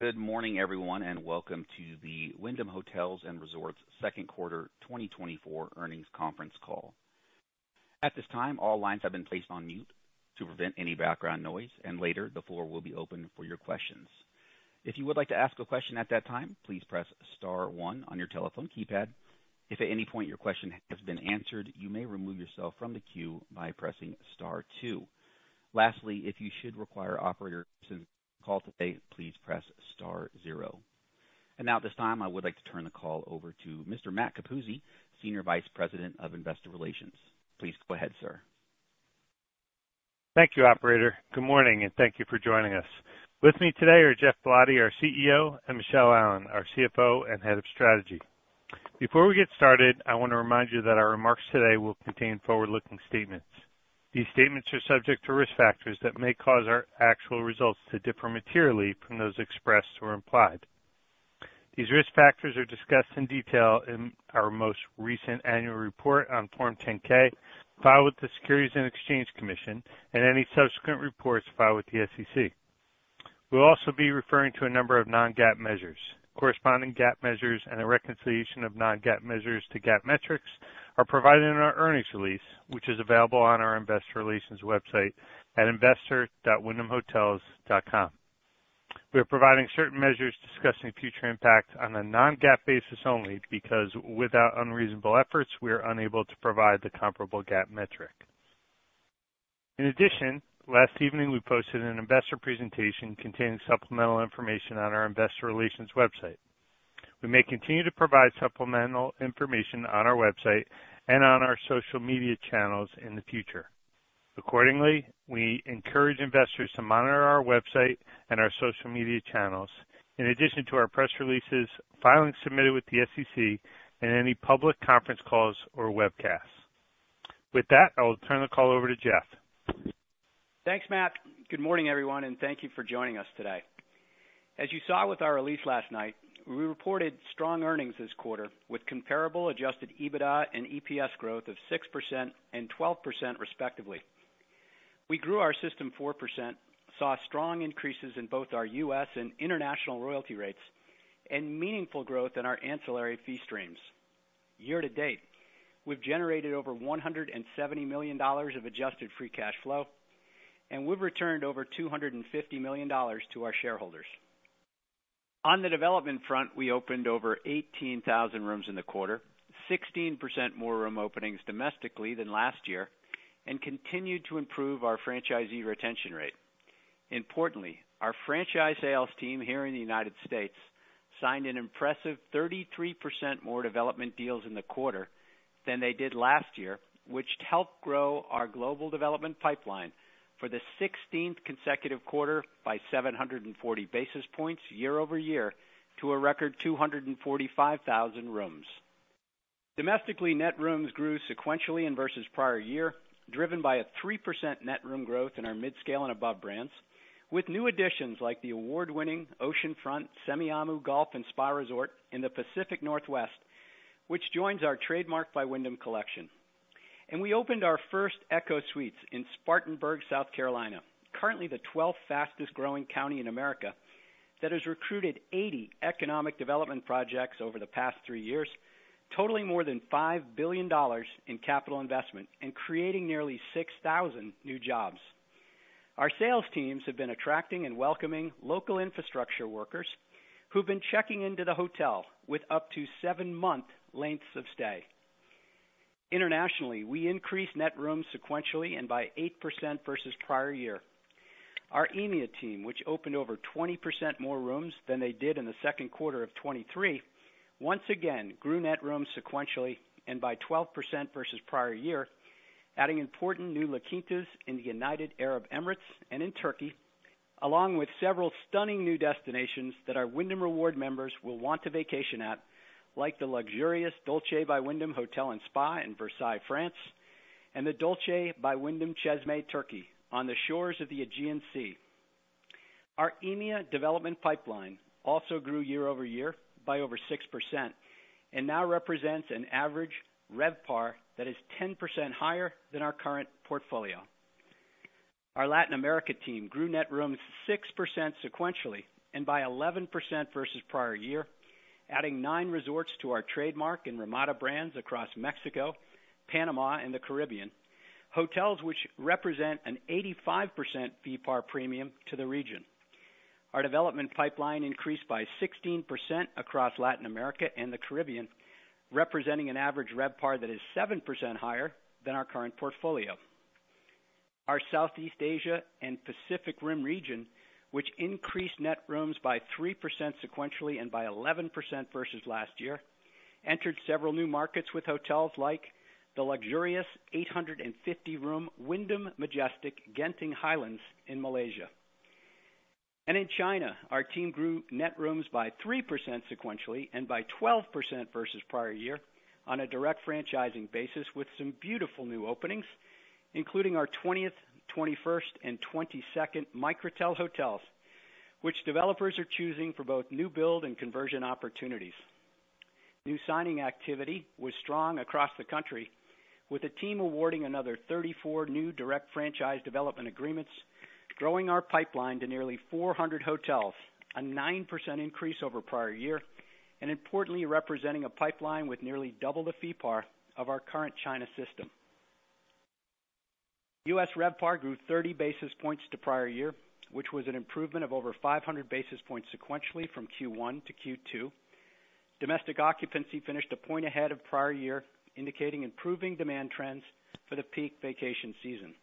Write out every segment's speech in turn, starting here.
Good morning, everyone, and welcome to the Wyndham Hotels & Resorts second quarter 2024 earnings conference call. At this time, all lines have been placed on mute to prevent any background noise, and later the floor will be open for your questions. If you would like to ask a question at that time, please press star one on your telephone keypad. If at any point your question has been answered, you may remove yourself from the queue by pressing star two. Lastly, if you should require operators to call today, please press star zero. And now, at this time, I would like to turn the call over to Mr. Matt Capuzzi, Senior Vice President of Investor Relations. Please go ahead, sir. Thank you, Operator. Good morning, and thank you for joining us. With me today are Geoff Ballotti, our CEO, and Michele Allen, our CFO and head of strategy. Before we get started, I want to remind you that our remarks today will contain forward-looking statements. These statements are subject to risk factors that may cause our actual results to differ materially from those expressed or implied. These risk factors are discussed in detail in our most recent annual report on Form 10-K, filed with the Securities and Exchange Commission, and any subsequent reports filed with the SEC. We'll also be referring to a number of Non-GAAP measures. Corresponding GAAP measures and the reconciliation of Non-GAAP measures to GAAP metrics are provided in our earnings release, which is available on our Investor Relations website at investor.wyndhamhotels.com. We are providing certain measures discussing future impact on a Non-GAAP basis only because, without unreasonable efforts, we are unable to provide the comparable GAAP metric. In addition, last evening we posted an investor presentation containing supplemental information on our Investor Relations website. We may continue to provide supplemental information on our website and on our social media channels in the future. Accordingly, we encourage investors to monitor our website and our social media channels, in addition to our press releases, filings submitted with the SEC, and any public conference calls or webcasts. With that, I will turn the call over to Geoff. Thanks, Matt. Good morning, everyone, and thank you for joining us today. As you saw with our release last night, we reported strong earnings this quarter with comparable Adjusted EBITDA and EPS growth of 6% and 12%, respectively. We grew our system 4%, saw strong increases in both our U.S. and international royalty rates, and meaningful growth in our ancillary fee streams. Year to date, we've generated over $170 million of adjusted free cash flow, and we've returned over $250 million to our shareholders. On the development front, we opened over 18,000 rooms in the quarter, 16% more room openings domestically than last year, and continued to improve our franchisee retention rate. Importantly, our franchise sales team here in the United States signed an impressive 33% more development deals in the quarter than they did last year, which helped grow our global development pipeline for the 16th consecutive quarter by 740 basis points year-over-year to a record 245,000 rooms. Domestically, net rooms grew sequentially and versus prior year, driven by a 3% net room growth in our mid-scale and above brands, with new additions like the award-winning Oceanfront Semiahmoo Golf & Spa Resort in the Pacific Northwest, which joins our Trademark Collection by Wyndham. We opened our first ECHO Suites in Spartanburg, South Carolina, currently the 12th fastest-growing county in America, that has recruited 80 economic development projects over the past three years, totaling more than $5 billion in capital investment and creating nearly 6,000 new jobs. Our sales teams have been attracting and welcoming local infrastructure workers who've been checking into the hotel with up to 7-month lengths of stay. Internationally, we increased net rooms sequentially and by 8% versus prior year. Our EMEA team, which opened over 20% more rooms than they did in the second quarter of 2023, once again grew net rooms sequentially and by 12% versus prior year, adding important new locations in the United Arab Emirates and in Turkey, along with several stunning new destinations that our Wyndham Rewards members will want to vacation at, like the luxurious Dolce by Wyndham Hotel & Spa in Versailles, France, and the Dolce by Wyndham Çeşme, Turkey, on the shores of the Aegean Sea. Our EMEA development pipeline also grew year-over-year by over 6% and now represents an average RevPAR that is 10% higher than our current portfolio. Our Latin America team grew net rooms 6% sequentially and by 11% versus prior year, adding 9 resorts to our Trademark and Ramada brands across Mexico, Panama, and the Caribbean, hotels which represent an 85% Fee-to-PAR premium to the region. Our development pipeline increased by 16% across Latin America and the Caribbean, representing an average RevPAR that is 7% higher than our current portfolio. Our Southeast Asia and Pacific Rim region, which increased net rooms by 3% sequentially and by 11% versus last year, entered several new markets with hotels like the luxurious 850-room Wyndham Ion Majestic Genting Highlands in Malaysia. And in China, our team grew net rooms by 3% sequentially and by 12% versus prior year on a direct franchising basis with some beautiful new openings, including our 20th, 21st, and 22nd Microtel hotels, which developers are choosing for both new build and conversion opportunities. New signing activity was strong across the country, with the team awarding another 34 new direct franchise development agreements, growing our pipeline to nearly 400 hotels, a 9% increase over prior year, and importantly, representing a pipeline with nearly double the Fee-PAR of our current China system. U.S. RevPAR grew 30 basis points to prior year, which was an improvement of over 500 basis points sequentially from Q1 to Q2. Domestic occupancy finished a point ahead of prior year, indicating improving demand trends for the peak vacation season.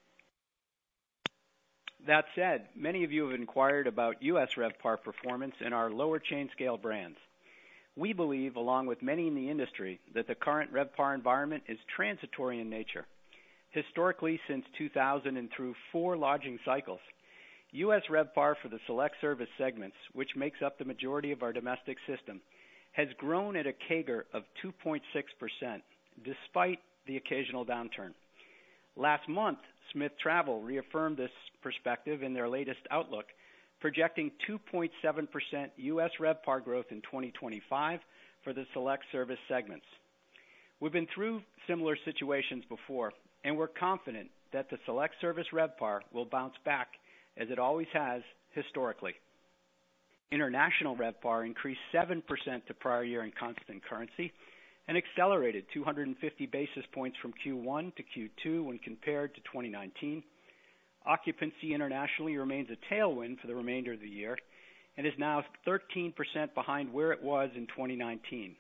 That said, many of you have inquired about U.S. RevPAR performance in our lower chain-scale brands. We believe, along with many in the industry, that the current RevPAR environment is transitory in nature. Historically, since 2000 and through four lodging cycles, U.S. RevPAR for the select-service segments, which makes up the majority of our domestic system, has grown at a CAGR of 2.6%, despite the occasional downturn. Last month, Smith Travel Research reaffirmed this perspective in their latest outlook, projecting 2.7% U.S. RevPAR growth in 2025 for the select-service segments. We've been through similar situations before, and we're confident that the select-service RevPAR will bounce back, as it always has historically. International RevPAR increased 7% to prior year in constant currency and accelerated 250 basis points from Q1 to Q2 when compared to 2019. Occupancy internationally remains a tailwind for the remainder of the year and is now 13% behind where it was in 2019.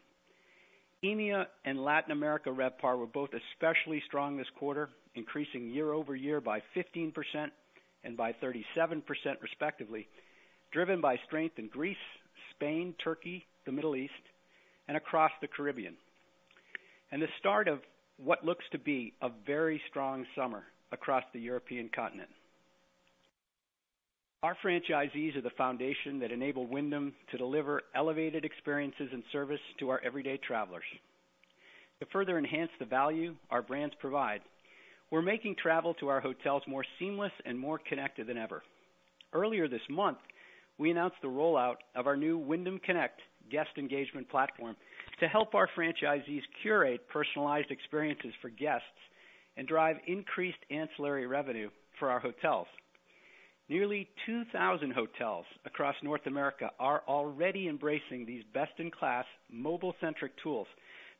EMEA and Latin America RevPAR were both especially strong this quarter, increasing year-over-year by 15% and by 37%, respectively, driven by strength in Greece, Spain, Turkey, the Middle East, and across the Caribbean, and the start of what looks to be a very strong summer across the European continent. Our franchisees are the foundation that enable Wyndham to deliver elevated experiences and service to our everyday travelers. To further enhance the value our brands provide, we're making travel to our hotels more seamless and more connected than ever. Earlier this month, we announced the rollout of our new Wyndham Connect guest engagement platform to help our franchisees curate personalized experiences for guests and drive increased ancillary revenue for our hotels. Nearly 2,000 hotels across North America are already embracing these best-in-class, mobile-centric tools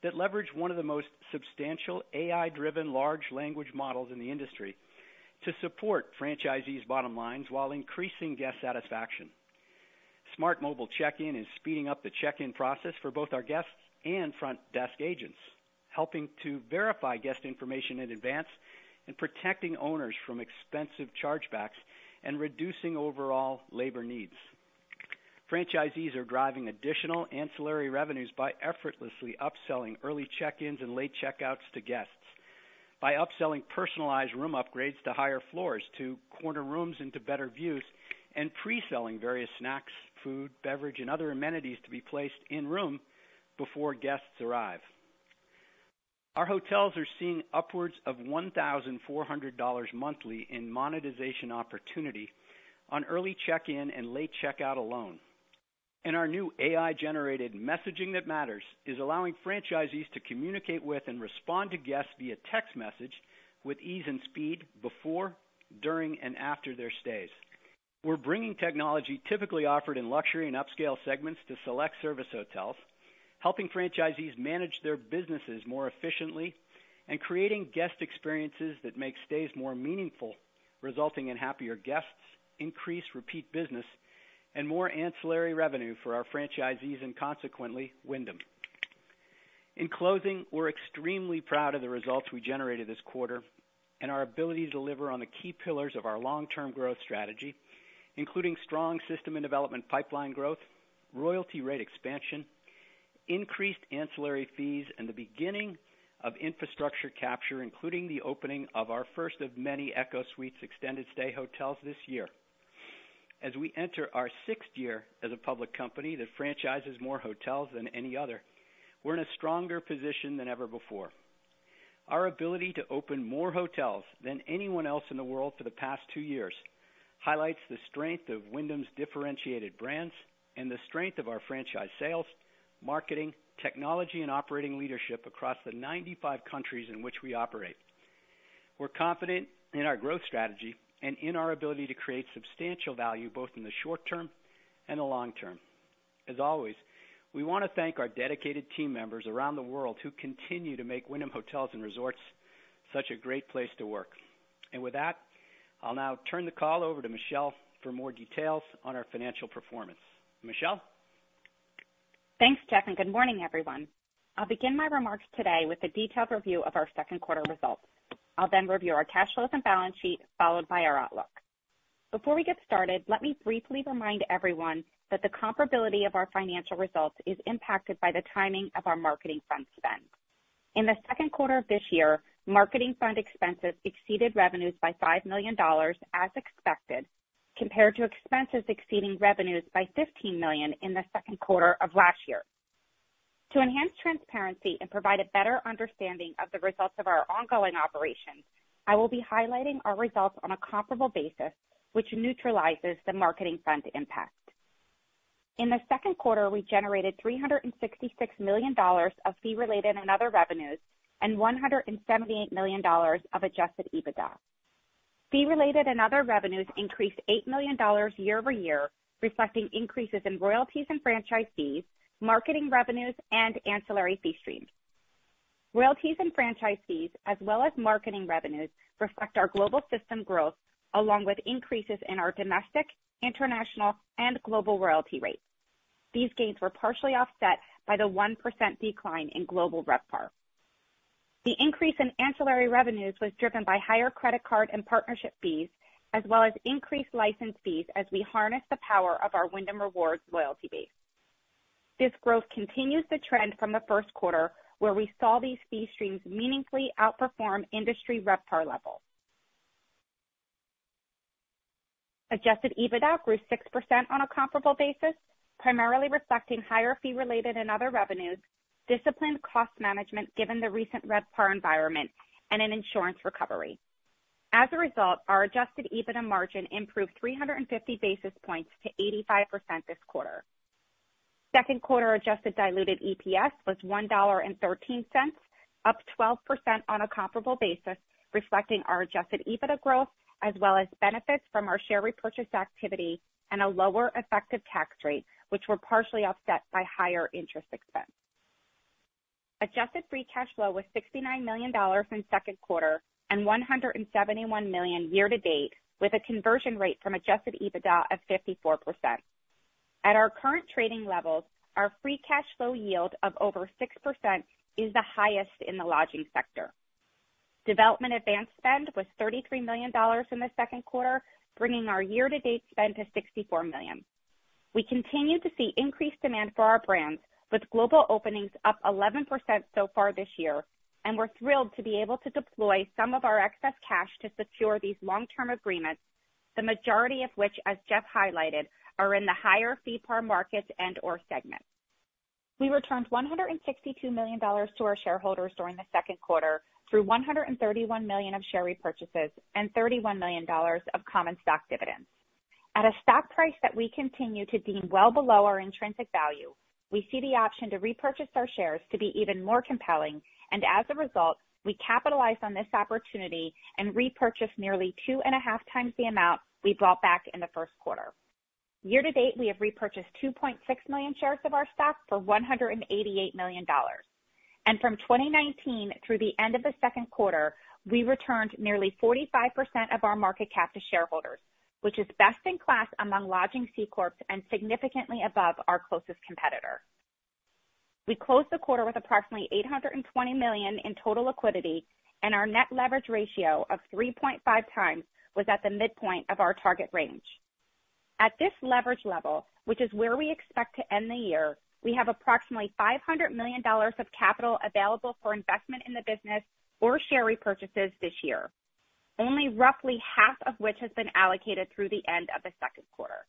that leverage one of the most substantial AI-driven large language models in the industry to support franchisees' bottom lines while increasing guest satisfaction. Smart Mobile Check-in is speeding up the check-in process for both our guests and front desk agents, helping to verify guest information in advance and protecting owners from expensive chargebacks and reducing overall labor needs. Franchisees are driving additional ancillary revenues by effortlessly upselling early check-ins and late checkouts to guests, by upselling personalized room upgrades to higher floors to corner rooms into better views, and pre-selling various snacks, food, beverage, and other amenities to be placed in room before guests arrive. Our hotels are seeing upwards of $1,400 monthly in monetization opportunity on early check-in and late checkout alone. Our new AI-generated Messaging that Matters is allowing franchisees to communicate with and respond to guests via text message with ease and speed before, during, and after their stays. We're bringing technology typically offered in luxury and upscale segments to select-service hotels, helping franchisees manage their businesses more efficiently and creating guest experiences that make stays more meaningful, resulting in happier guests, increased repeat business, and more ancillary revenue for our franchisees and consequently Wyndham. In closing, we're extremely proud of the results we generated this quarter and our ability to deliver on the key pillars of our long-term growth strategy, including strong system and development pipeline growth, royalty rate expansion, increased ancillary fees, and the beginning of infrastructure capture, including the opening of our first of many ECHO Suites extended-stay hotels this year. As we enter our sixth year as a public company that franchises more hotels than any other, we're in a stronger position than ever before. Our ability to open more hotels than anyone else in the world for the past 2 years highlights the strength of Wyndham's differentiated brands and the strength of our franchise sales, marketing, technology, and operating leadership across the 95 countries in which we operate. We're confident in our growth strategy and in our ability to create substantial value both in the short term and the long term. As always, we want to thank our dedicated team members around the world who continue to make Wyndham Hotels & Resorts such a great place to work. And with that, I'll now turn the call over to Michele for more details on our financial performance. Michele? Thanks, Geoff, and good morning, everyone. I'll begin my remarks today with a detailed review of our second quarter results. I'll then review our cash flows and balance sheet, followed by our outlook. Before we get started, let me briefly remind everyone that the comparability of our financial results is impacted by the timing of our marketing fund spend. In the second quarter of this year, marketing fund expenses exceeded revenues by $5 million, as expected, compared to expenses exceeding revenues by $15 million in the second quarter of last year. To enhance transparency and provide a better understanding of the results of our ongoing operations, I will be highlighting our results on a comparable basis, which neutralizes the marketing fund impact. In the second quarter, we generated $366 million of fee-related and other revenues and $178 million of adjusted EBITDA. Fee-related and other revenues increased $8 million year-over-year, reflecting increases in royalties and franchise fees, marketing revenues, and ancillary fee streams. Royalties and franchise fees, as well as marketing revenues, reflect our global system growth, along with increases in our domestic, international, and global royalty rates. These gains were partially offset by the 1% decline in global RevPAR. The increase in ancillary revenues was driven by higher credit card and partnership fees, as well as increased license fees, as we harness the power of our Wyndham Rewards loyalty base. This growth continues the trend from the first quarter, where we saw these fee streams meaningfully outperform industry RevPAR levels. Adjusted EBITDA grew 6% on a comparable basis, primarily reflecting higher fee-related and other revenues, disciplined cost management given the recent RevPAR environment, and an insurance recovery. As a result, our adjusted EBITDA margin improved 350 basis points to 85% this quarter. Second quarter adjusted diluted EPS was $1.13, up 12% on a comparable basis, reflecting our adjusted EBITDA growth, as well as benefits from our share repurchase activity and a lower effective tax rate, which were partially offset by higher interest expense. Adjusted free cash flow was $69 million in second quarter and $171 million year-to-date, with a conversion rate from adjusted EBITDA of 54%. At our current trading levels, our free cash flow yield of over 6% is the highest in the lodging sector. Development advance spend was $33 million in the second quarter, bringing our year-to-date spend to $64 million. We continue to see increased demand for our brands, with global openings up 11% so far this year, and we're thrilled to be able to deploy some of our excess cash to secure these long-term agreements, the majority of which, as Geoff highlighted, are in the higher Fee-PAR markets and/or segments. We returned $162 million to our shareholders during the second quarter through $131 million of share repurchases and $31 million of common stock dividends. At a stock price that we continue to deem well below our intrinsic value, we see the option to repurchase our shares to be even more compelling, and as a result, we capitalized on this opportunity and repurchased nearly two and a half times the amount we brought back in the first quarter. Year to date, we have repurchased 2.6 million shares of our stock for $188 million. From 2019 through the end of the second quarter, we returned nearly 45% of our market cap to shareholders, which is best in class among lodging C-Corps and significantly above our closest competitor. We closed the quarter with approximately $820 million in total liquidity, and our net leverage ratio of 3.5x was at the midpoint of our target range. At this leverage level, which is where we expect to end the year, we have approximately $500 million of capital available for investment in the business or share repurchases this year, only roughly half of which has been allocated through the end of the second quarter.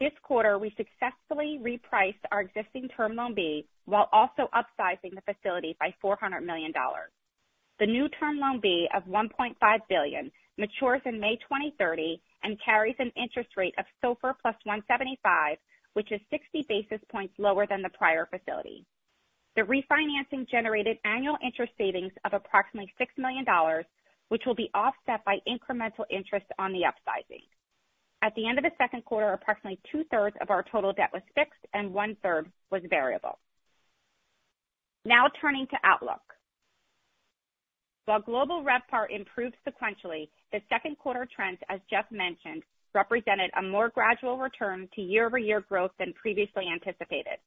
This quarter, we successfully repriced our existing Term Loan B while also upsizing the facility by $400 million. The new Term Loan B of $1.5 billion matures in May 2030 and carries an interest rate of SOFR plus 175, which is 60 basis points lower than the prior facility. The refinancing generated annual interest savings of approximately $6 million, which will be offset by incremental interest on the upsizing. At the end of the second quarter, approximately two-thirds of our total debt was fixed and one-third was variable. Now turning to outlook. While global RevPAR improved sequentially, the second quarter trends, as Geoff mentioned, represented a more gradual return to year-over-year growth than previously anticipated.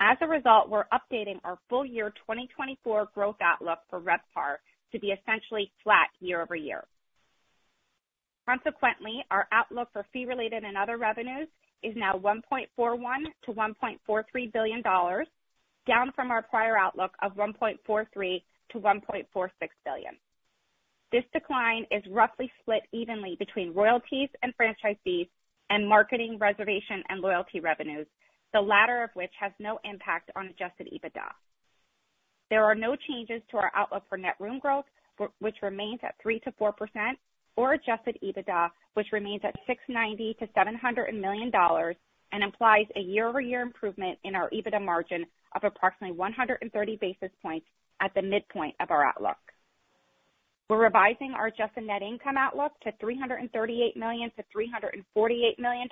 As a result, we're updating our full year 2024 growth outlook for RevPAR to be essentially flat year-over-year. Consequently, our outlook for fee-related and other revenues is now $1.41 billion-$1.43 billion, down from our prior outlook of $1.43 billion-$1.46 billion. This decline is roughly split evenly between royalties and franchise fees and marketing, reservation, and loyalty revenues, the latter of which has no impact on adjusted EBITDA. There are no changes to our outlook for net room growth, which remains at 3%-4%, or adjusted EBITDA, which remains at $690 million-$700 million and implies a year-over-year improvement in our EBITDA margin of approximately 130 basis points at the midpoint of our outlook. We're revising our adjusted net income outlook to $338 million-$348 million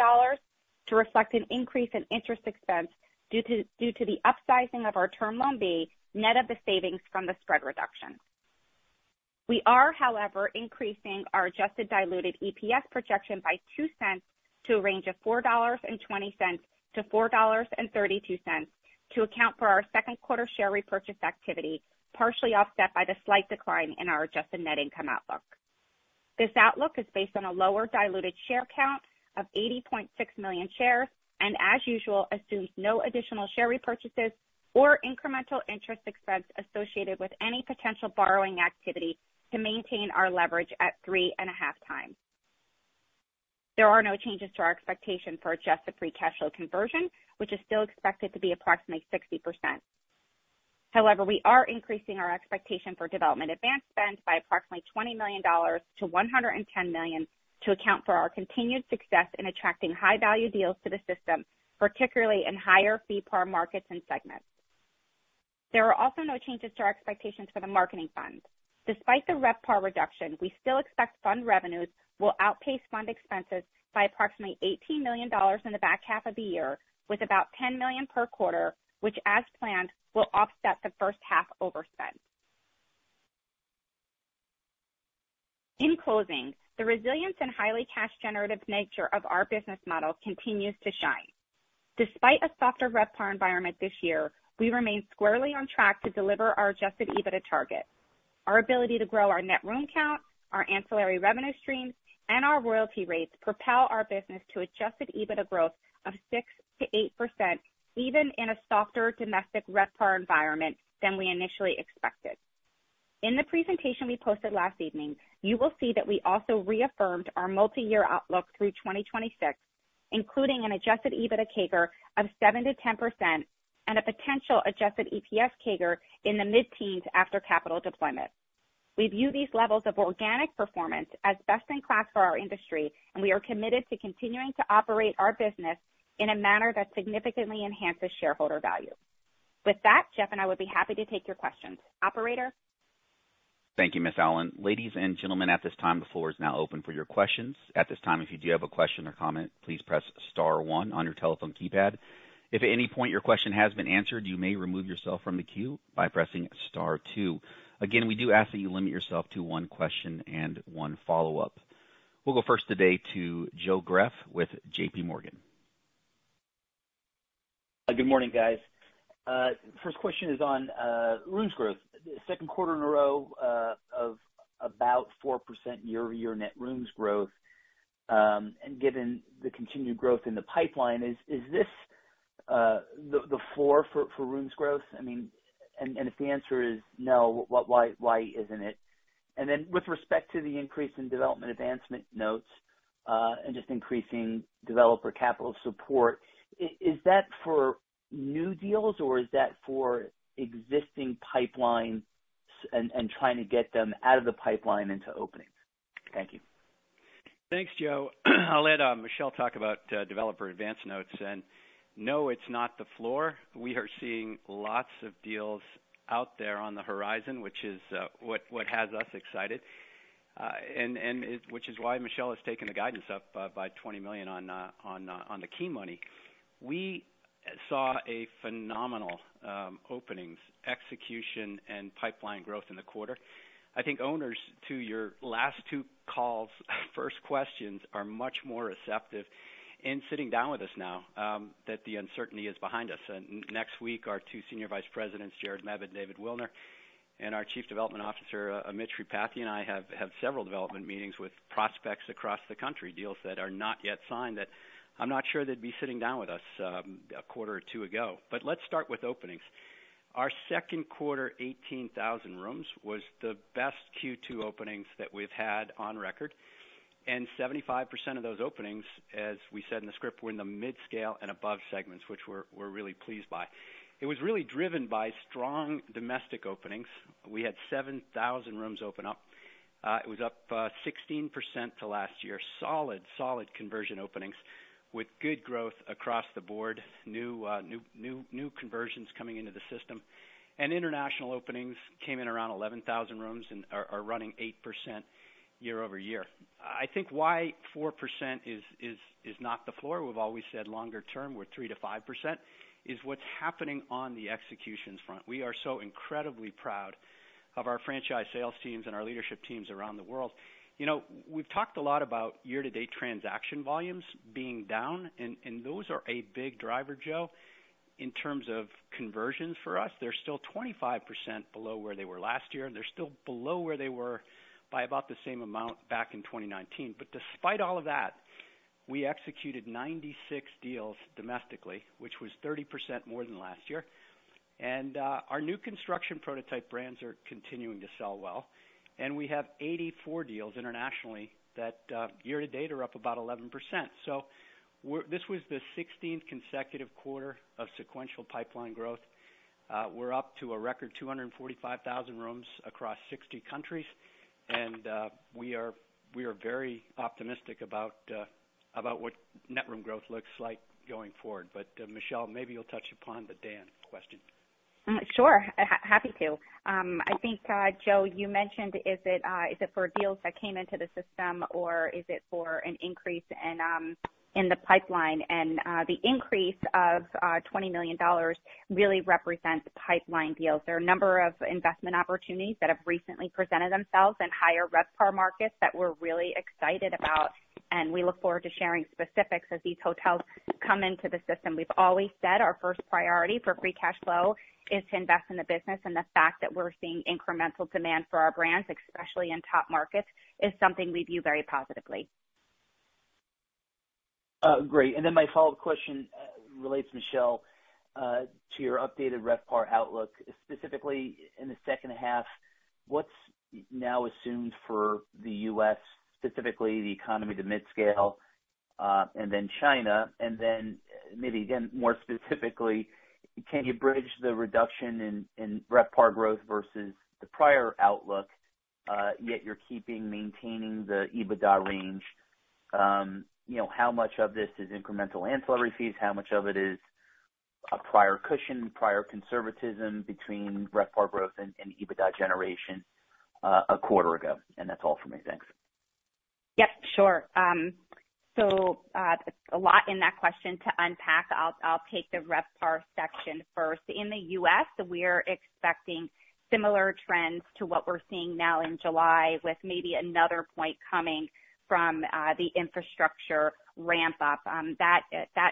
to reflect an increase in interest expense due to the upsizing of our Term Loan B net of the savings from the spread reduction. We are, however, increasing our adjusted diluted EPS projection by $0.02 to a range of $4.20-$4.32 to account for our second quarter share repurchase activity, partially offset by the slight decline in our adjusted net income outlook. This outlook is based on a lower diluted share count of 80.6 million shares and, as usual, assumes no additional share repurchases or incremental interest expense associated with any potential borrowing activity to maintain our leverage at 3.5 times. There are no changes to our expectation for adjusted free cash flow conversion, which is still expected to be approximately 60%. However, we are increasing our expectation for development advance spend by approximately $20 million-$110 million to account for our continued success in attracting high-value deals to the system, particularly in higher Fee-PAR markets and segments. There are also no changes to our expectations for the marketing fund. Despite the RevPAR reduction, we still expect fund revenues will outpace fund expenses by approximately $18 million in the back half of the year, with about $10 million per quarter, which, as planned, will offset the first half overspend. In closing, the resilience and highly cash-generative nature of our business model continues to shine. Despite a softer RevPAR environment this year, we remain squarely on track to deliver our Adjusted EBITDA target. Our ability to grow our net room count, our ancillary revenue streams, and our royalty rates propel our business to Adjusted EBITDA growth of 6%-8%, even in a softer domestic RevPAR environment than we initially expected. In the presentation we posted last evening, you will see that we also reaffirmed our multi-year outlook through 2026, including an adjusted EBITDA CAGR of 7%-10% and a potential adjusted EPS CAGR in the mid-teens after capital deployment. We view these levels of organic performance as best in class for our industry, and we are committed to continuing to operate our business in a manner that significantly enhances shareholder value. With that, Geoff and I would be happy to take your questions. Operator? Thank you, Miss Allen. Ladies and gentlemen, at this time, the floor is now open for your questions. At this time, if you do have a question or comment, please press star one on your telephone keypad. If at any point your question has been answered, you may remove yourself from the queue by pressing star two. Again, we do ask that you limit yourself to one question and one follow-up. We'll go first today to Joe Greff with JP Morgan. Good morning, guys. First question is on rooms growth. Second quarter in a row of about 4% year-over-year net rooms growth, and given the continued growth in the pipeline, is this the floor for rooms growth? I mean, and if the answer is no, why isn't it? And then with respect to the increase in development advance notes and just increasing developer capital support, is that for new deals, or is that for existing pipeline and trying to get them out of the pipeline into openings? Thank you. Thanks, Joe. I'll let Michele talk about developer advance notes. And no, it's not the floor. We are seeing lots of deals out there on the horizon, which is what has us excited, and which is why Michele has taken the guidance up by $20 million on the key money. We saw phenomenal openings, execution, and pipeline growth in the quarter. I think owners to your last two calls, first questions are much more receptive in sitting down with us now that the uncertainty is behind us. Next week, our two Senior Vice Presidents, Jared Meabon and David Wilner, and our Chief Development Officer, Amit Sripathi, and I have several development meetings with prospects across the country, deals that are not yet signed that I'm not sure they'd be sitting down with us a quarter or two ago. But let's start with openings. Our second quarter, 18,000 rooms, was the best Q2 openings that we've had on record. 75% of those openings, as we said in the script, were in the mid-scale and above segments, which we're really pleased by. It was really driven by strong domestic openings. We had 7,000 rooms open up. It was up 16% to last year. Solid, solid conversion openings with good growth across the board, new conversions coming into the system. International openings came in around 11,000 rooms and are running 8% year-over-year. I think why 4% is not the floor, we've always said longer term we're 3%-5%, is what's happening on the execution front. We are so incredibly proud of our franchise sales teams and our leadership teams around the world. You know, we've talked a lot about year-to-date transaction volumes being down, and those are a big driver, Joe, in terms of conversions for us. They're still 25% below where they were last year, and they're still below where they were by about the same amount back in 2019. But despite all of that, we executed 96 deals domestically, which was 30% more than last year. And our new construction prototype brands are continuing to sell well. And we have 84 deals internationally that year-to-date are up about 11%. So this was the 16th consecutive quarter of sequential pipeline growth. We're up to a record 245,000 rooms across 60 countries, and we are very optimistic about what net room growth looks like going forward. But Michele, maybe you'll touch upon the DAN question. Sure. Happy to. I think, Joe, you mentioned, is it for deals that came into the system, or is it for an increase in the pipeline? The increase of $20 million really represents pipeline deals. There are a number of investment opportunities that have recently presented themselves in higher RevPAR markets that we're really excited about, and we look forward to sharing specifics as these hotels come into the system. We've always said our first priority for free cash flow is to invest in the business, and the fact that we're seeing incremental demand for our brands, especially in top markets, is something we view very positively. Great. And then my follow-up question relates, Michele, to your updated rev par outlook. Specifically, in the second half, what's now assumed for the U.S., specifically the economy, the mid-scale, and then China? And then maybe again, more specifically, can you bridge the reduction in rev par growth versus the prior outlook, yet you're keeping maintaining the EBITDA range? How much of this is incremental ancillary fees? How much of it is a prior cushion, prior conservatism between rev par growth and EBITDA generation a quarter ago? And that's all for me. Thanks. Yep. Sure. So a lot in that question to unpack. I'll take the RevPAR section first. In the U.S., we're expecting similar trends to what we're seeing now in July, with maybe another point coming from the infrastructure ramp-up. That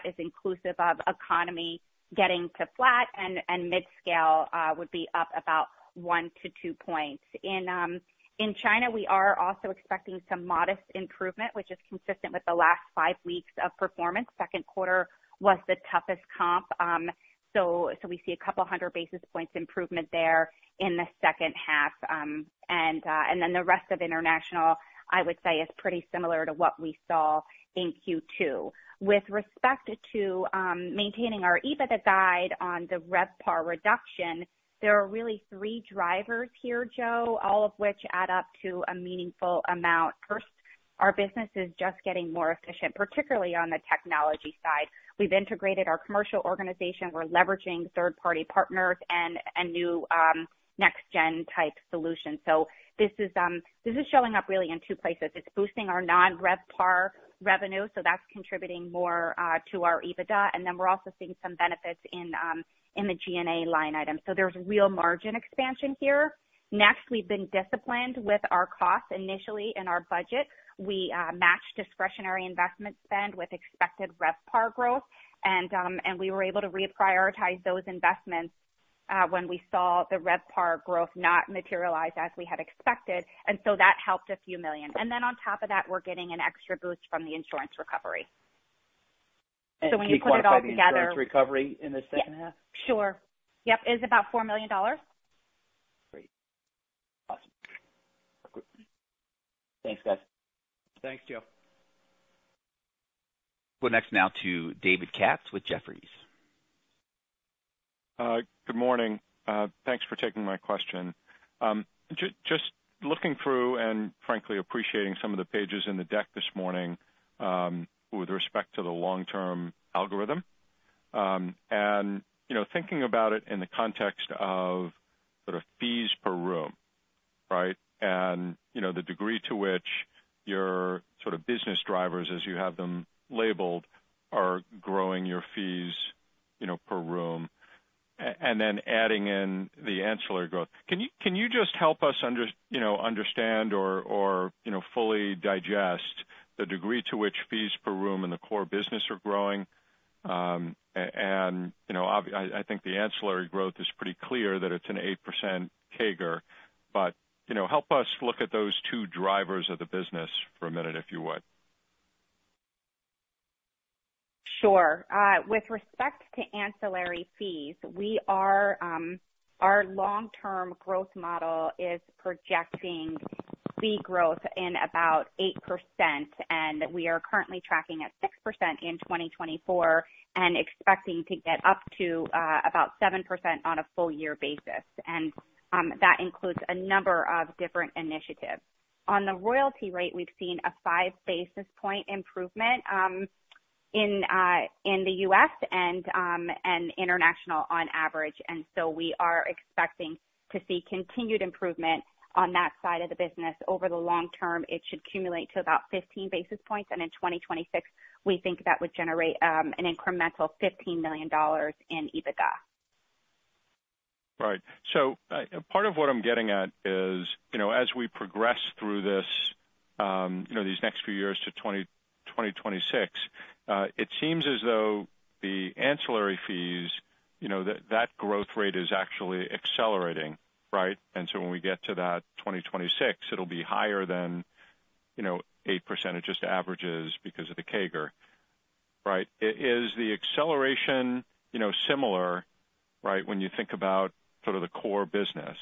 is inclusive of economy getting to flat, and mid-scale would be up about one to two points. In China, we are also expecting some modest improvement, which is consistent with the last five weeks of performance. Second quarter was the toughest comp, so we see a couple hundred basis points improvement there in the second half. And then the rest of international, I would say, is pretty similar to what we saw in Q2. With respect to maintaining our EBITDA guide on the RevPAR reduction, there are really three drivers here, Joe, all of which add up to a meaningful amount. First, our business is just getting more efficient, particularly on the technology side. We've integrated our commercial organization. We're leveraging third-party partners and new next-gen type solutions. So this is showing up really in two places. It's boosting our non-RevPAR revenue, so that's contributing more to our EBITDA. And then we're also seeing some benefits in the G&A line item. So there's real margin expansion here. Next, we've been disciplined with our costs initially in our budget. We matched discretionary investment spend with expected RevPAR growth, and we were able to reprioritize those investments when we saw the RevPAR growth not materialize as we had expected. And so that helped $a few million. And then on top of that, we're getting an extra boost from the insurance recovery. So when you put it all together. That's insurance recovery in the second half? Sure. Yep. It's about $4 million. Great. Awesome. Thanks, guys. Thanks, Joe. We'll next now to David Katz with Jefferies. Good morning. Thanks for taking my question. Just looking through and frankly appreciating some of the pages in the deck this morning with respect to the long-term algorithm. And thinking about it in the context of sort of fees per room, right, and the degree to which your sort of business drivers, as you have them labeled, are growing your fees per room, and then adding in the ancillary growth. Can you just help us understand or fully digest the degree to which fees per room and the core business are growing? And I think the ancillary growth is pretty clear that it's an 8% CAGR, but help us look at those two drivers of the business for a minute, if you would. Sure. With respect to ancillary fees, our long-term growth model is projecting fee growth in about 8%, and we are currently tracking at 6% in 2024 and expecting to get up to about 7% on a full-year basis. And that includes a number of different initiatives. On the royalty rate, we've seen a 5 basis point improvement in the U.S. and international on average. And so we are expecting to see continued improvement on that side of the business. Over the long term, it should accumulate to about 15 basis points, and in 2026, we think that would generate an incremental $15 million in EBITDA. Right. So part of what I'm getting at is, as we progress through these next few years to 2026, it seems as though the ancillary fees, that growth rate is actually accelerating, right? And so when we get to that 2026, it'll be higher than 8%, it just averages because of the CAGR, right? Is the acceleration similar, right, when you think about sort of the core business,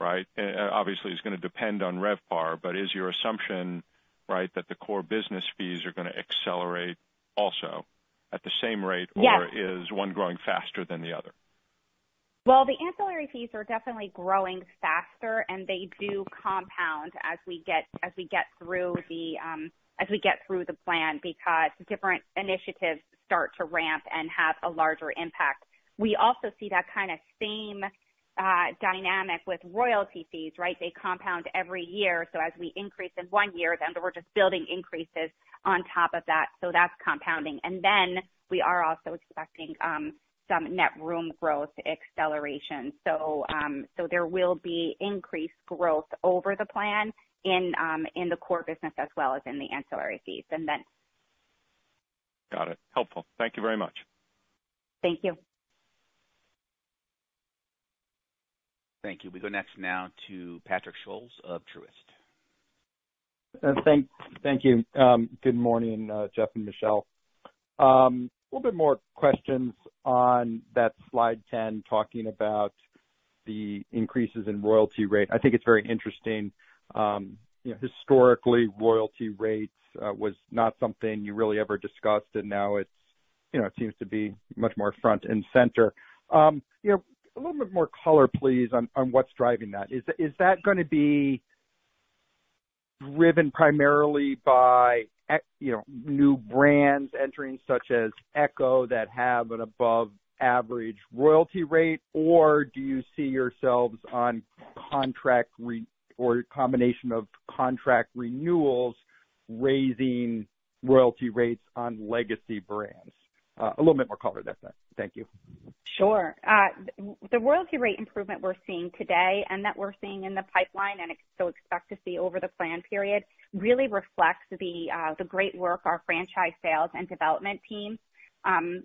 right? Obviously, it's going to depend on RevPAR, but is your assumption, right, that the core business fees are going to accelerate also at the same rate, or is one growing faster than the other? Well, the ancillary fees are definitely growing faster, and they do compound as we get through the plan because different initiatives start to ramp and have a larger impact. We also see that kind of same dynamic with royalty fees, right? They compound every year. So as we increase in one year, then we're just building increases on top of that. So that's compounding. And then we are also expecting some net room growth acceleration. So there will be increased growth over the plan in the core business as well as in the ancillary fees. And then. Got it. Helpful. Thank you very much. Thank you. Thank you. We go next now to Patrick Scholes of Truist. Thank you. Good morning, Geoff and Michele. A little bit more questions on that slide 10 talking about the increases in royalty rate. I think it's very interesting. Historically, royalty rates was not something you really ever discussed, and now it seems to be much more front and center. A little bit more color, please, on what's driving that. Is that going to be driven primarily by new brands entering, such as ECHO, that have an above-average royalty rate, or do you see yourselves on contract or a combination of contract renewals raising royalty rates on legacy brands? A little bit more color that time. Thank you. Sure. The royalty rate improvement we're seeing today and that we're seeing in the pipeline, and so expect to see over the planned period, really reflects the great work our franchise sales and development team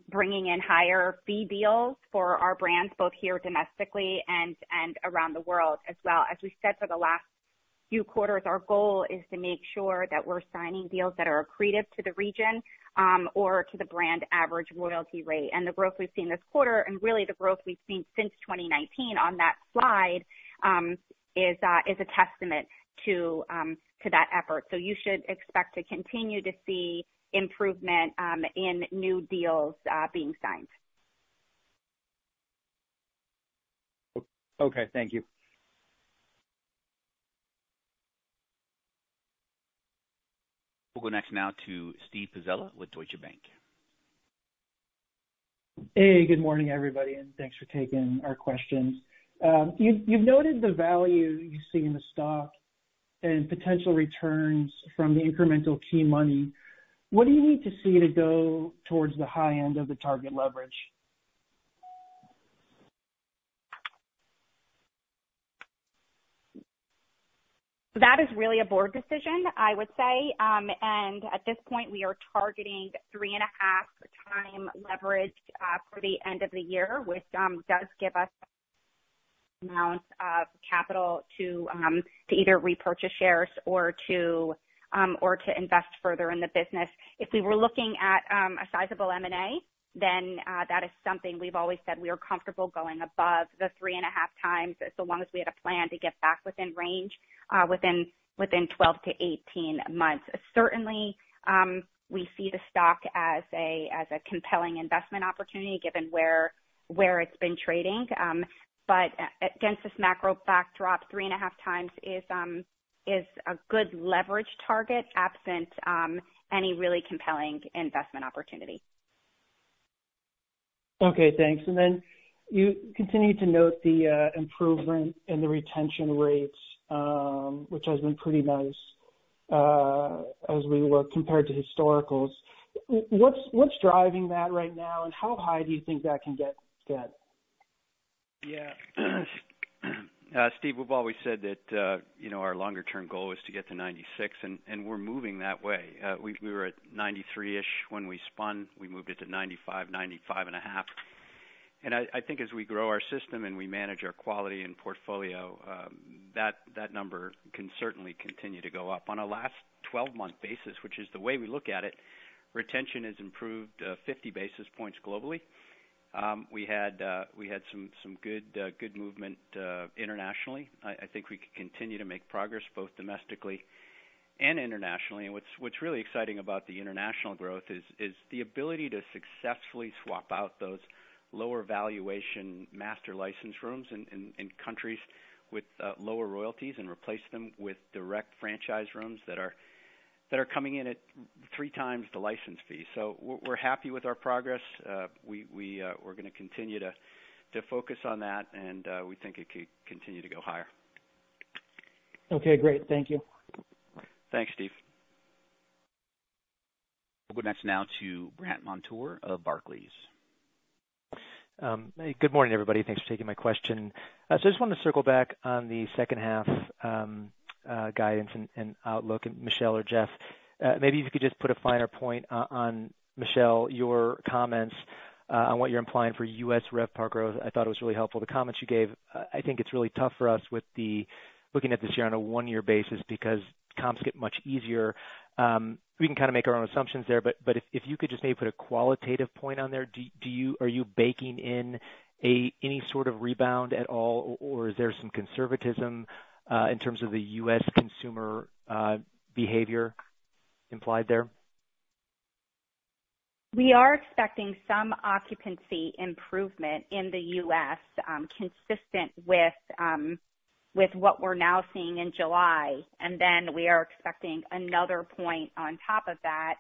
bringing in higher fee deals for our brands, both here domestically and around the world as well. As we said for the last few quarters, our goal is to make sure that we're signing deals that are accretive to the region or to the brand average royalty rate. The growth we've seen this quarter, and really the growth we've seen since 2019 on that slide, is a testament to that effort. You should expect to continue to see improvement in new deals being signed. Okay. Thank you. We'll go next now to Steven Pizzella with Deutsche Bank. Hey, good morning, everybody, and thanks for taking our questions. You've noted the value you see in the stock and potential returns from the incremental key money. What do you need to see to go towards the high end of the target leverage? That is really a board decision, I would say. At this point, we are targeting 3.5x leverage for the end of the year, which does give us amounts of capital to either repurchase shares or to invest further in the business. If we were looking at a sizable M&A, then that is something we've always said we are comfortable going above the 3.5x, so long as we had a plan to get back within range, within 12 to 18 months. Certainly, we see the stock as a compelling investment opportunity given where it's been trading. But against this macro backdrop, 3.5x is a good leverage target, absent any really compelling investment opportunity. Okay. Thanks. Then you continue to note the improvement in the retention rates, which has been pretty nice as we were compared to historicals. What's driving that right now, and how high do you think that can get? Yeah. Steve, we've always said that our longer-term goal is to get to 96, and we're moving that way. We were at 93-ish when we spun. We moved it to 95, 95.5. And I think as we grow our system and we manage our quality and portfolio, that number can certainly continue to go up. On a last 12-month basis, which is the way we look at it, retention has improved 50 basis points globally. We had some good movement internationally. I think we can continue to make progress both domestically and internationally. And what's really exciting about the international growth is the ability to successfully swap out those lower valuation master license rooms in countries with lower royalties and replace them with direct franchise rooms that are coming in at 3x the license fee. So we're happy with our progress. We're going to continue to focus on that, and we think it could continue to go higher. Okay. Great. Thank you. Thanks, Steve. We'll go next now to Brandt Montour of Barclays. Good morning, everybody. Thanks for taking my question. So I just wanted to circle back on the second half guidance and outlook. Michele or Geoff, maybe if you could just put a finer point on, Michele, your comments on what you're implying for U.S. RevPAR growth. I thought it was really helpful. The comments you gave, I think it's really tough for us with looking at this year on a one-year basis because comps get much easier. We can kind of make our own assumptions there, but if you could just maybe put a qualitative point on there, are you baking in any sort of rebound at all, or is there some conservatism in terms of the U.S. consumer behavior implied there? We are expecting some occupancy improvement in the U.S., consistent with what we're now seeing in July. And then we are expecting another point on top of that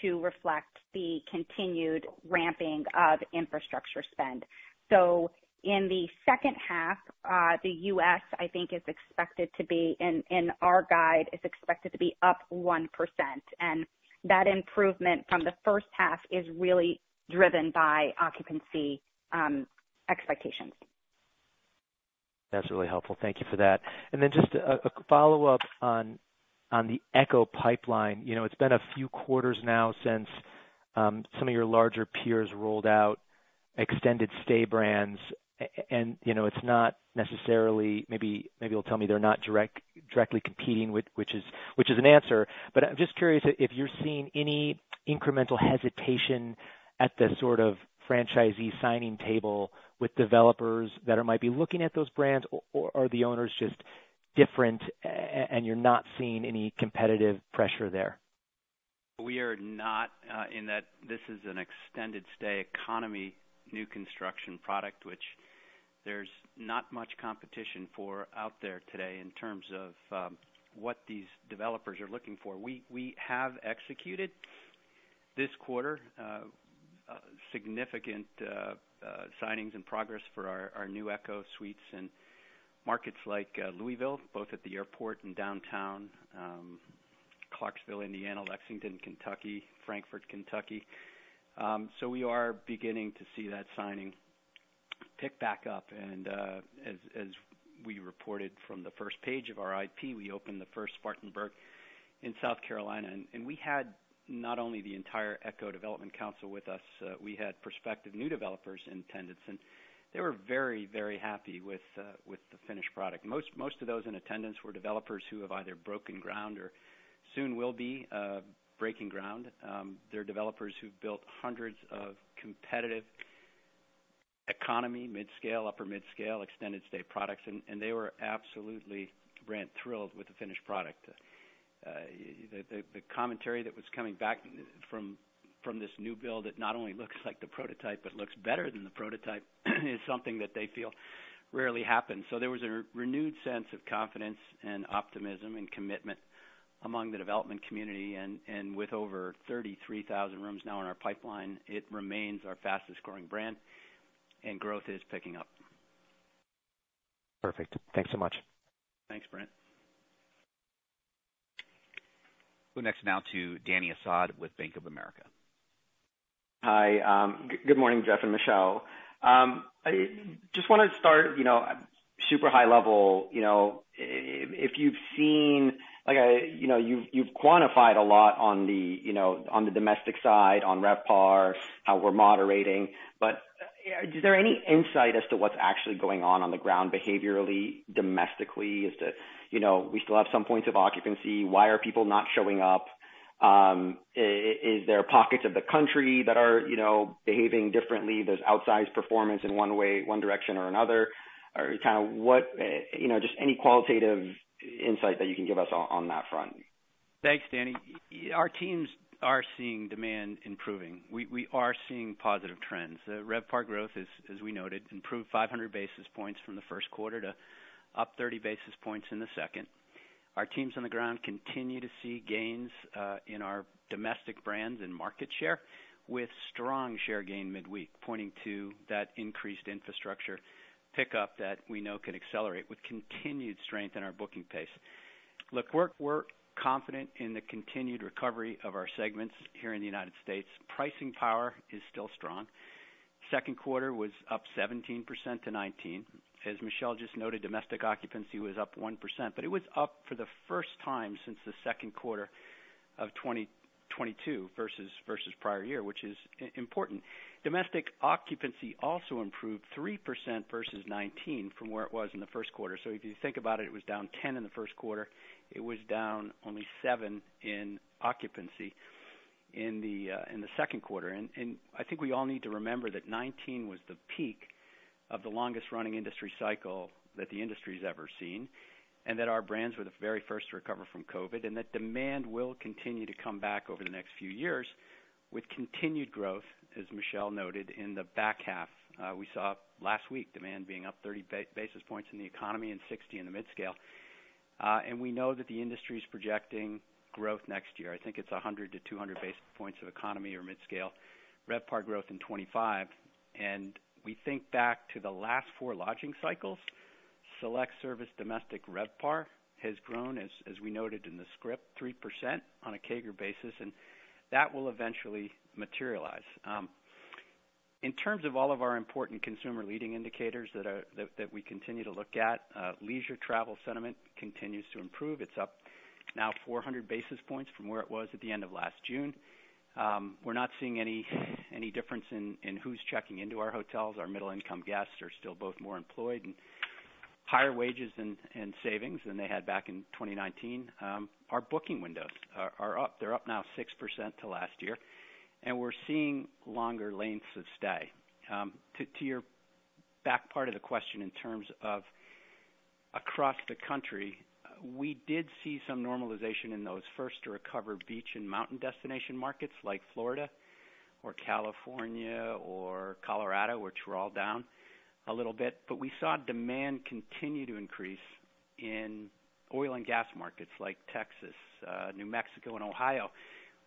to reflect the continued ramping of infrastructure spend. So in the second half, the U.S., I think, is expected to be in our guide, is expected to be up 1%. And that improvement from the first half is really driven by occupancy expectations. That's really helpful. Thank you for that. And then just a follow-up on the ECHO pipeline. It's been a few quarters now since some of your larger peers rolled out extended stay brands, and it's not necessarily maybe you'll tell me they're not directly competing, which is an answer, but I'm just curious if you're seeing any incremental hesitation at the sort of franchisee signing table with developers that might be looking at those brands, or are the owners just different, and you're not seeing any competitive pressure there? We are not in that. This is an extended stay economy new construction product, which there's not much competition for out there today in terms of what these developers are looking for. We have executed this quarter significant signings and progress for our new ECHO Suites in markets like Louisville, both at the airport and downtown, Clarksville, Indiana, Lexington, Kentucky, Frankfort, Kentucky. So we are beginning to see that signing pick back up. And as we reported from the first page of our IP, we opened the first Spartanburg in South Carolina. And we had not only the entire ECHO Development Council with us, we had prospective new developers in attendance, and they were very, very happy with the finished product. Most of those in attendance were developers who have either broken ground or soon will be breaking ground. They're developers who've built hundreds of competitive economy, mid-scale, upper mid-scale, extended stay products, and they were absolutely, Brandt, thrilled with the finished product. The commentary that was coming back from this new build that not only looks like the prototype but looks better than the prototype is something that they feel rarely happens. So there was a renewed sense of confidence and optimism and commitment among the development community. And with over 33,000 rooms now in our pipeline, it remains our fastest-growing brand, and growth is picking up. Perfect. Thanks so much. Thanks, Brant. We'll go next now to Dany Asad with Bank of America. Hi. Good morning, Geoff and Michele. I just want to start super high level. If you've seen you've quantified a lot on the domestic side, on RevPAR, how we're moderating, but is there any insight as to what's actually going on on the ground behaviorally, domestically? We still have some points of occupancy. Why are people not showing up? Is there pockets of the country that are behaving differently? There's outsized performance in one direction or another. Kind of what just any qualitative insight that you can give us on that front. Thanks, Dany. Our teams are seeing demand improving. We are seeing positive trends. RevPAR growth, as we noted, improved 500 basis points from the first quarter to up 30 basis points in the second. Our teams on the ground continue to see gains in our domestic brands and market share with strong share gain midweek, pointing to that increased infrastructure pickup that we know can accelerate with continued strength in our booking pace. Look, we're confident in the continued recovery of our segments here in the United States. Pricing power is still strong. Second quarter was up 17%-19%. As Michele just noted, domestic occupancy was up 1%, but it was up for the first time since the second quarter of 2022 versus prior year, which is important. Domestic occupancy also improved 3% versus 19% from where it was in the first quarter. So if you think about it, it was down 10% in the first quarter. It was down only 7% in occupancy in the second quarter. And I think we all need to remember that 19% was the peak of the longest-running industry cycle that the industry has ever seen and that our brands were the very first to recover from COVID and that demand will continue to come back over the next few years with continued growth, as Michele noted, in the back half. We saw last week demand being up 30 basis points in the economy and 60% in the mid-scale. And we know that the industry is projecting growth next year. I think it's 100 to 200 basis points of economy or mid-scale RevPAR growth in 2025. We think back to the last four lodging cycles, Select-Service domestic RevPAR has grown, as we noted in the script, 3% on a CAGR basis, and that will eventually materialize. In terms of all of our important consumer leading indicators that we continue to look at, leisure travel sentiment continues to improve. It's up now 400 basis points from where it was at the end of last June. We're not seeing any difference in who's checking into our hotels. Our middle-income guests are still both more employed and higher wages and savings than they had back in 2019. Our booking windows are up. They're up now 6% to last year, and we're seeing longer lengths of stay. To the back part of the question in terms of across the country, we did see some normalization in those first-to-recover beach and mountain destination markets like Florida or California or Colorado, which were all down a little bit. But we saw demand continue to increase in oil and gas markets like Texas, New Mexico, and Ohio,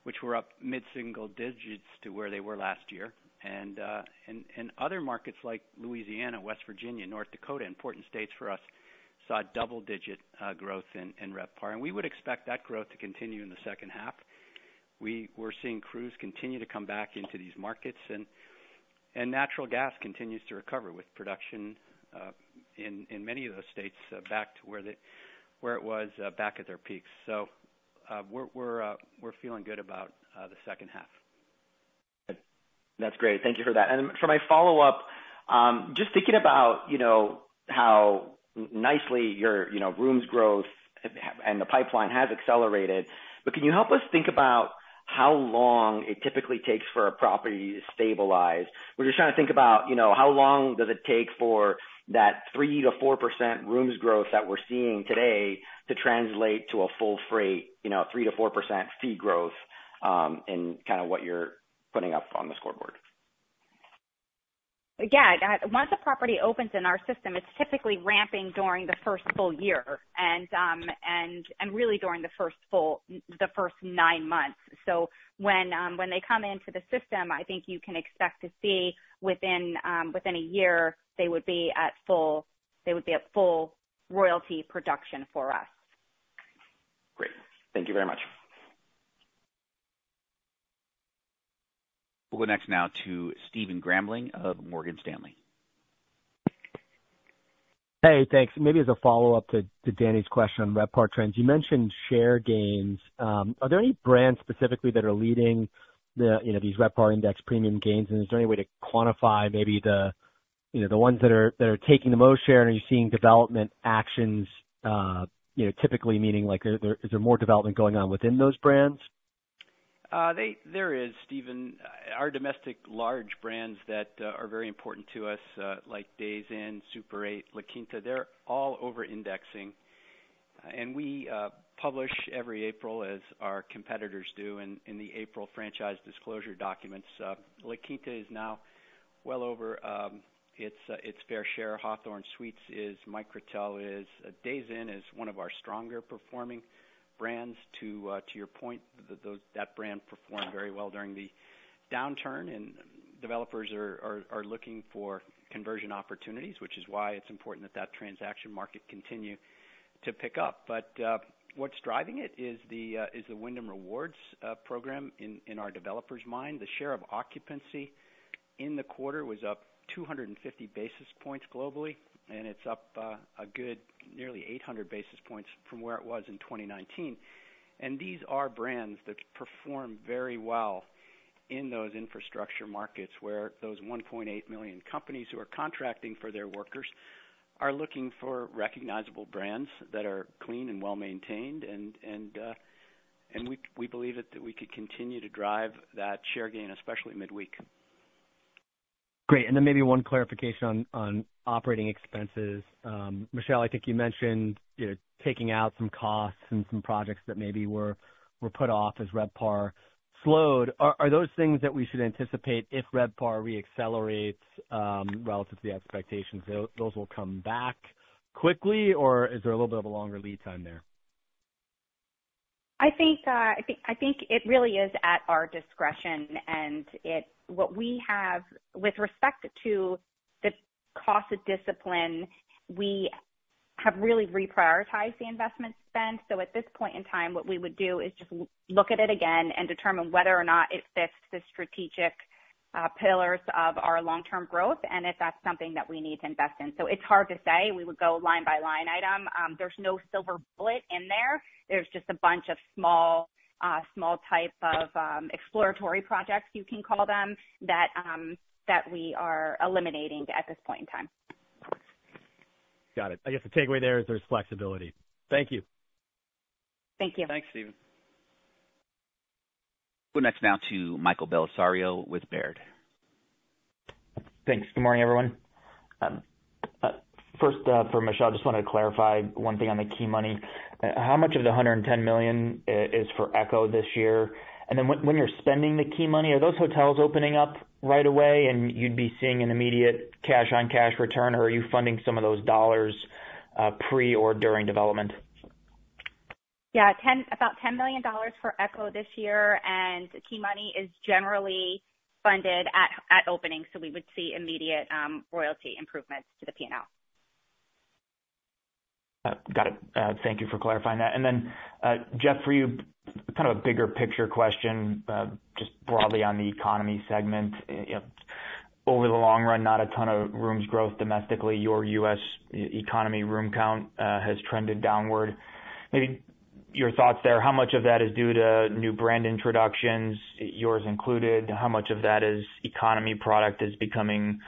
which were up mid-single digits to where they were last year. And other markets like Louisiana, West Virginia, North Dakota, important states for us, saw double-digit growth in RevPAR. And we would expect that growth to continue in the second half. We were seeing crews continue to come back into these markets, and natural gas continues to recover with production in many of those states back to where it was back at their peaks. So we're feeling good about the second half. That's great. Thank you for that. And for my follow-up, just thinking about how nicely your rooms growth and the pipeline has accelerated, but can you help us think about how long it typically takes for a property to stabilize? We're just trying to think about how long does it take for that 3%-4% rooms growth that we're seeing today to translate to a full freight, 3%-4% fee growth in kind of what you're putting up on the scoreboard? Yeah. Once a property opens in our system, it's typically ramping during the first full year and really during the first nine months. So when they come into the system, I think you can expect to see within a year they would be at full royalty production for us. Great. Thank you very much. We'll go next now to Stephen Grambling of Morgan Stanley. Hey, thanks. Maybe as a follow-up to Danny's question on RevPAR trends, you mentioned share gains. Are there any brands specifically that are leading these RevPAR index premium gains, and is there any way to quantify maybe the ones that are taking the most share, and are you seeing development actions, typically meaning is there more development going on within those brands? There is, Stephen. Our domestic large brands that are very important to us, like Days Inn, Super 8, La Quinta, they're all over-indexing. And we publish every April, as our competitors do in the April franchise disclosure documents. La Quinta is now well over its fair share. Hawthorn Suites is, Microtel is, Days Inn is one of our stronger performing brands. To your point, that brand performed very well during the downturn, and developers are looking for conversion opportunities, which is why it's important that that transaction market continue to pick up. But what's driving it is the Wyndham Rewards program in our developers' mind. The share of occupancy in the quarter was up 250 basis points globally, and it's up a good nearly 800 basis points from where it was in 2019. These are brands that perform very well in those infrastructure markets where those 1.8 million companies who are contracting for their workers are looking for recognizable brands that are clean and well-maintained. We believe that we could continue to drive that share gain, especially midweek. Great. Then maybe one clarification on operating expenses. Michele, I think you mentioned taking out some costs and some projects that maybe were put off as RevPAR slowed. Are those things that we should anticipate if RevPAR reaccelerates relative to the expectations? Those will come back quickly, or is there a little bit of a longer lead time there? I think it really is at our discretion. What we have with respect to the cost of discipline, we have really reprioritized the investment spend. At this point in time, what we would do is just look at it again and determine whether or not it fits the strategic pillars of our long-term growth and if that's something that we need to invest in. It's hard to say. We would go line by line item. There's no silver bullet in there. There's just a bunch of small type of exploratory projects, you can call them, that we are eliminating at this point in time. Got it. I guess the takeaway there is there's flexibility. Thank you. Thank you. Thanks, Stephen. We'll go next now to Michael Bellisario with Baird. Thanks. Good morning, everyone. First, for Michele, I just wanted to clarify one thing on the key money. How much of the $110 million is for ECHO this year? And then when you're spending the key money, are those hotels opening up right away, and you'd be seeing an immediate cash-on-cash return, or are you funding some of those dollars pre or during development? Yeah. About $10 million for ECHO this year, and key money is generally funded at opening, so we would see immediate royalty improvements to the P&L. Got it. Thank you for clarifying that. And then, Geoff, for you, kind of a bigger picture question, just broadly on the economy segment. Over the long run, not a ton of rooms growth domestically. Your U.S. economy room count has trended downward. Maybe your thoughts there, how much of that is due to new brand introductions, yours included? How much of that is economy product is becoming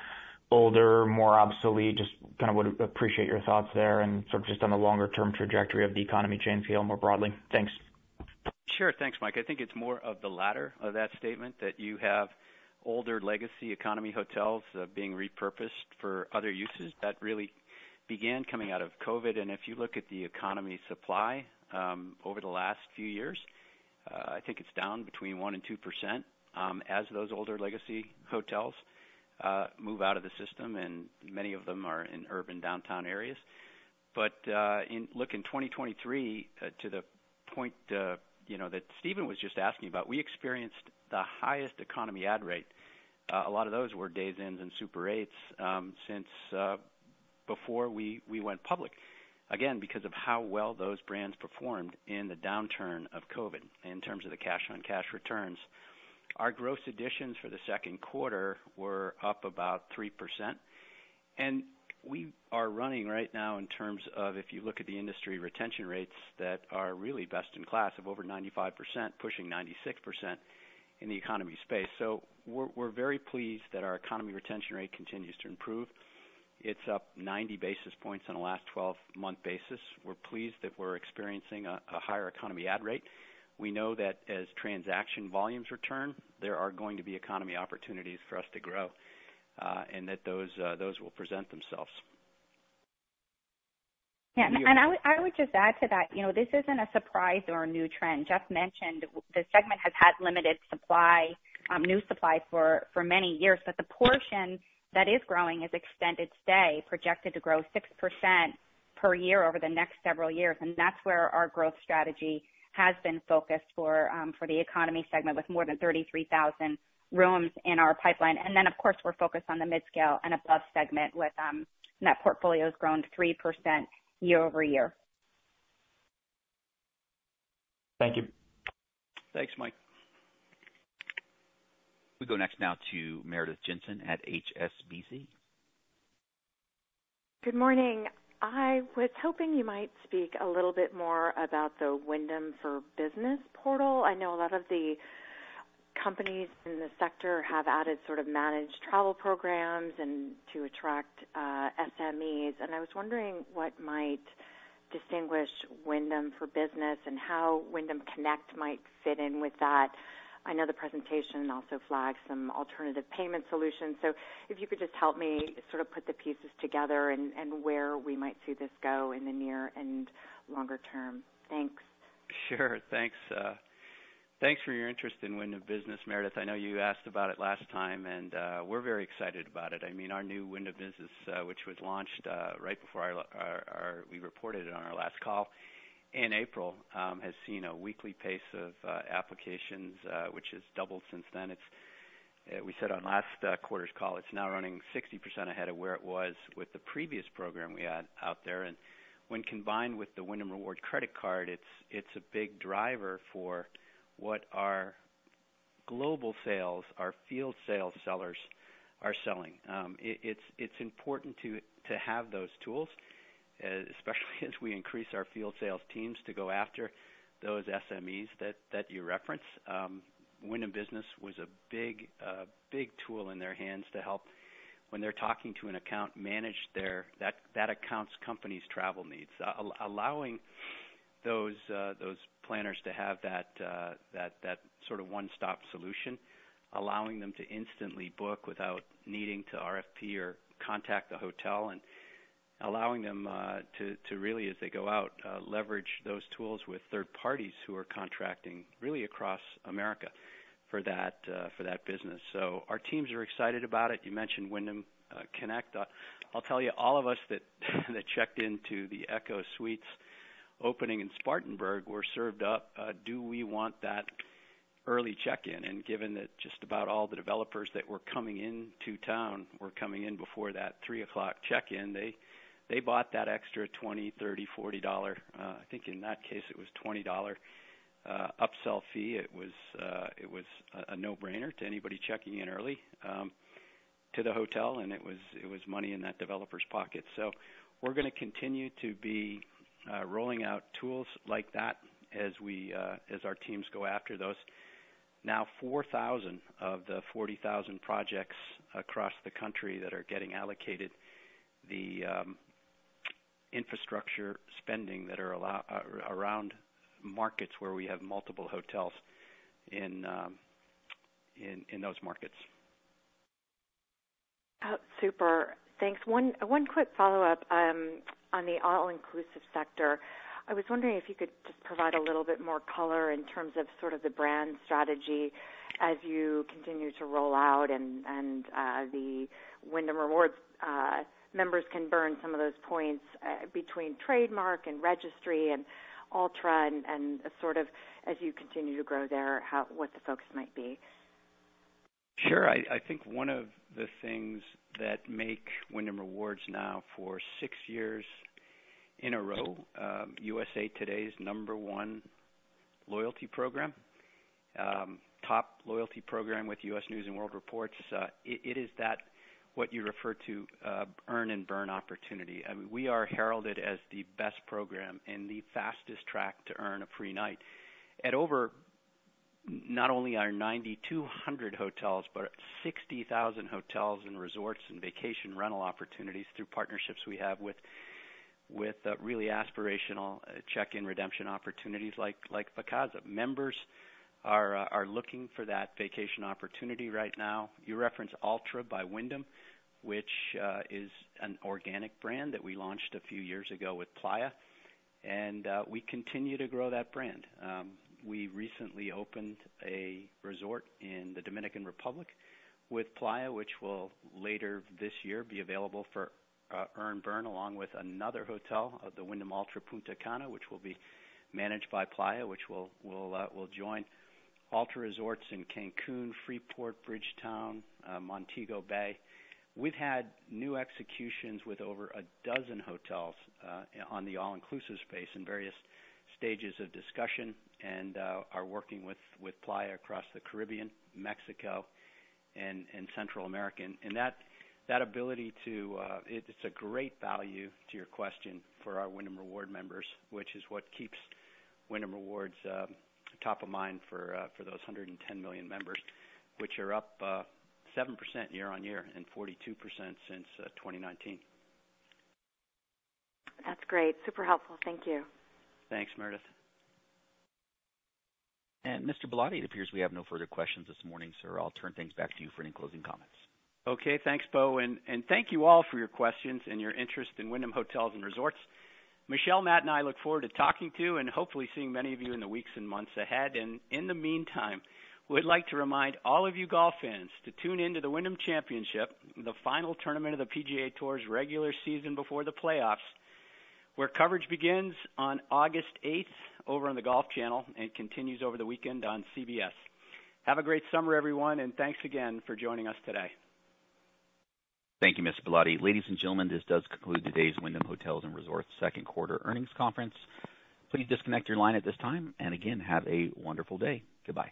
older, more obsolete? Just kind of would appreciate your thoughts there and sort of just on the longer-term trajectory of the economy chain scale more broadly. Thanks. Sure. Thanks, Mike. I think it's more of the latter of that statement that you have older legacy economy hotels being repurposed for other uses. That really began coming out of COVID. And if you look at the economy supply over the last few years, I think it's down between 1% and 2% as those older legacy hotels move out of the system, and many of them are in urban downtown areas. But look, in 2023, to the point that Steven was just asking about, we experienced the highest economy add rate. A lot of those were Days Inns and Super 8s since before we went public, again, because of how well those brands performed in the downturn of COVID in terms of the cash-on-cash returns. Our gross additions for the second quarter were up about 3%. We are running right now in terms of, if you look at the industry retention rates that are really best in class of over 95%, pushing 96% in the economy space. We're very pleased that our economy retention rate continues to improve. It's up 90 basis points on a last 12-month basis. We're pleased that we're experiencing a higher economy add rate. We know that as transaction volumes return, there are going to be economy opportunities for us to grow and that those will present themselves. Yeah. I would just add to that, this isn't a surprise or a new trend. Geoff mentioned the segment has had limited new supply for many years, but the portion that is growing is extended stay, projected to grow 6% per year over the next several years. That's where our growth strategy has been focused for the economy segment with more than 33,000 rooms in our pipeline. Then, of course, we're focused on the mid-scale and above segment, and that portfolio has grown 3% year-over-year. Thank you. Thanks, Mike. We'll go next now to Meredith Jensen at HSBC. Good morning. I was hoping you might speak a little bit more about the Wyndham for Business portal. I know a lot of the companies in the sector have added sort of managed travel programs to attract SMEs. And I was wondering what might distinguish Wyndham for Business and how Wyndham Connect might fit in with that. I know the presentation also flagged some alternative payment solutions. So if you could just help me sort of put the pieces together and where we might see this go in the near and longer term. Thanks. Sure. Thanks. Thanks for your interest in Wyndham Business, Meredith. I know you asked about it last time, and we're very excited about it. I mean, our new Wyndham Business, which was launched right before we reported on our last call in April, has seen a weekly pace of applications, which has doubled since then. We said on last quarter's call, it's now running 60% ahead of where it was with the previous program we had out there. And when combined with the Wyndham Rewards credit card, it's a big driver for what our global sales, our field sales sellers are selling. It's important to have those tools, especially as we increase our field sales teams to go after those SMEs that you reference. Wyndham Business was a big tool in their hands to help when they're talking to an account, manage that account's company's travel needs, allowing those planners to have that sort of one-stop solution, allowing them to instantly book without needing to RFP or contact the hotel, and allowing them to really, as they go out, leverage those tools with third parties who are contracting really across America for that business. So our teams are excited about it. You mentioned Wyndham Connect. I'll tell you, all of us that checked into the ECHO Suites opening in Spartanburg were served up, "Do we want that early check-in?" And given that just about all the developers that were coming into town were coming in before that 3 o'clock check-in, they bought that extra $20, $30, $40 dollar—I think in that case, it was $20 upsell fee. It was a no-brainer to anybody checking in early to the hotel, and it was money in that developer's pocket. So we're going to continue to be rolling out tools like that as our teams go after those. Now, 4,000 of the 40,000 projects across the country that are getting allocated the infrastructure spending that are around markets where we have multiple hotels in those markets. Super. Thanks. One quick follow-up on the all-inclusive sector. I was wondering if you could just provide a little bit more color in terms of sort of the brand strategy as you continue to roll out, and the Wyndham Rewards members can burn some of those points between Trademark and Registry and Alltra and sort of as you continue to grow there, what the focus might be. Sure. I think one of the things that make Wyndham Rewards now for six years in a row, USA Today's number one loyalty program, top loyalty program with U.S. News & World Report, it is that what you refer to, earn and burn opportunity. I mean, we are heralded as the best program and the fastest track to earn a free night. At over not only our 9,200 hotels, but 60,000 hotels and resorts and vacation rental opportunities through partnerships we have with really aspirational check-in redemption opportunities like Vacasa. Members are looking for that vacation opportunity right now. You referenced Wyndham Alltra, which is an organic brand that we launched a few years ago with Playa. And we continue to grow that brand. We recently opened a resort in the Dominican Republic with Playa, which will later this year be available for earn and burn, along with another hotel, the Wyndham Alltra Punta Cana, which will be managed by Playa, which will join Alltra Resorts in Cancun, Freeport, Bridgetown, Montego Bay. We've had new executions with over a dozen hotels on the all-inclusive space in various stages of discussion and are working with Playa across the Caribbean, Mexico, and Central America. And that ability to, it's a great value, to your question, for our Wyndham Rewards members, which is what keeps Wyndham Rewards top of mind for those 110 million members, which are up 7% year-over-year and 42% since 2019. That's great. Super helpful. Thank you. Thanks, Meredith. Mr. Ballotti, it appears we have no further questions this morning, sir. I'll turn things back to you for any closing comments. Okay. Thanks, Bo. Thank you all for your questions and your interest in Wyndham Hotels & Resorts. Michele, Matt, and I look forward to talking to you and hopefully seeing many of you in the weeks and months ahead. In the meantime, we'd like to remind all of you golf fans to tune into the Wyndham Championship, the final tournament of the PGA Tour's regular season before the playoffs, where coverage begins on August 8th over on the Golf Channel and continues over the weekend on CBS. Have a great summer, everyone, and thanks again for joining us today. Thank you, Mr. Ballotti. Ladies and gentlemen, this does conclude today's Wyndham Hotels & Resorts second quarter earnings conference. Please disconnect your line at this time and, again, have a wonderful day. Goodbye.